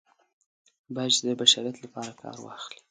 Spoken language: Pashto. باید چې د بشریت لپاره کار واخلي.